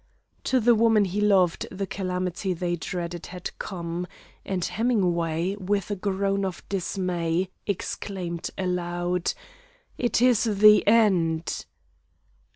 To the woman he loved the calamity they dreaded had come, and Hemingway, with a groan of dismay, exclaimed aloud: "It is the end!"